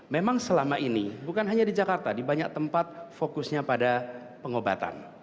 memang selama ini bukan hanya di jakarta di banyak tempat fokusnya pada pengobatan